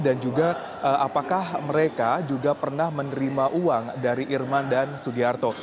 dan juga apakah mereka juga pernah menerima uang dari irman dan sugiarto